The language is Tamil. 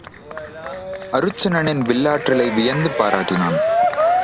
அருச்சுனனின் வில்லாற்றலை வியந்து பாராட்டினான்.